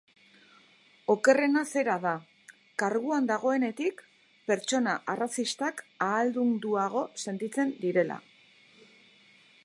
Okerrena zera da, karguan dagoenetik, pertsona arrazistak ahaldunduago sentitzen direla.